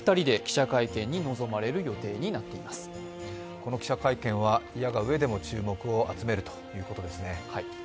この記者会見は、いやがうえでも注目を集めるということですね。